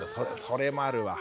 それもあるわ。